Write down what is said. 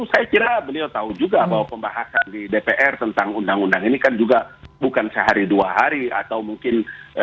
saya kira beliau tahu juga bahwa pembahasan di dpr tentang undang undang ini kan juga bukan sehari dua hari atau mungkin